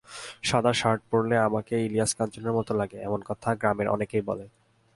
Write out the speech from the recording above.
সাদা শার্ট-প্যান্ট পরলে আমাকে ইলিয়াস কাঞ্চনের মতো লাগে—এমন কথা গ্রামের অনেকেই বলে।